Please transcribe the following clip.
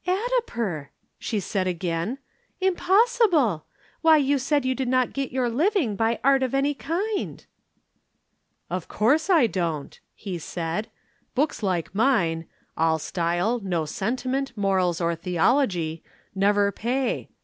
"Addiper!" she said again. "Impossible! why you said you did not get your living by art of any kind." "Of course I don't!" he said. "Books like mine all style, no sentiment, morals or theology never pay.